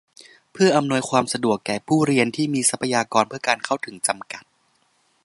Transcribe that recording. เพื่ออำนวยความสะดวกแก้ผู้เรียนที่มีทรัพยากรเพื่อการเข้าถึงจำกัด